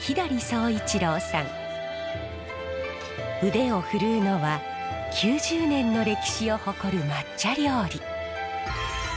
腕を振るうのは９０年の歴史を誇る抹茶料理。